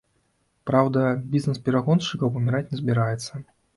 Праўда, бізнэс перагоншчыкаў паміраць не збіраецца.